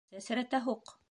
Сәсрәтә һуҡ!